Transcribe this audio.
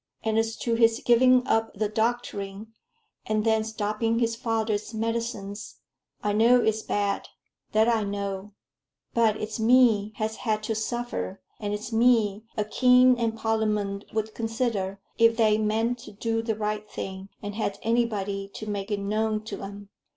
And as to his giving up the doctoring, and then stopping his father's medicines, I know it's bad that I know but it's me has had to suffer, and it's me a king and Parliament 'ud consider, if they meant to do the right thing, and had anybody to make it known to 'em.